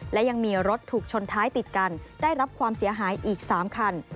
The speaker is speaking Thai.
และยังมีรถถูกชนท้ายติดกันได้รับความเสียหายอีก๓คัน